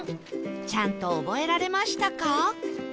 ちゃんと覚えられましたか？